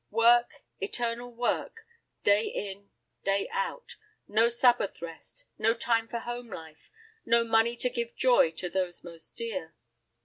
Work, eternal work, day in, day out; no Sabbath rest, no time for home life, no money to give joy to those most dear.